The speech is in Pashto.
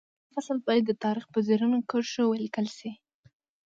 دا فصل باید د تاریخ په زرینو کرښو ولیکل شي